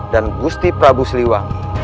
dan gusti prabu siliwangi